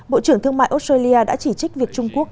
bộ trưởng thương mại australia đã chỉ trích việc trung quốc